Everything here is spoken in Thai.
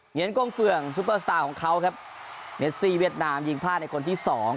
เหยีนก้งเฟืองซุปเปอร์สตาร์ของเขาครับเมซี่เวียดนามยิงพลาดในคนที่สอง